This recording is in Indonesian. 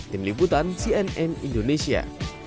tim liputan cnn indonesia